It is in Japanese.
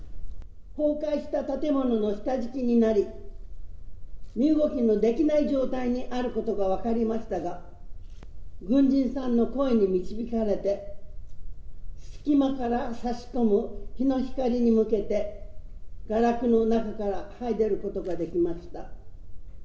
崩壊した建物の下敷きになり、身動きのできない状態にあることが分かりましたが、軍人さんの声に導かれて、隙間からさし込む日の光に向けて、がれきの中からはい出ることができました。